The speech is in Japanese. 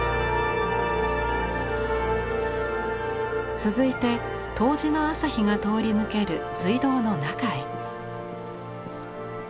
続いて冬至の朝日が通り抜ける隧道の中へ。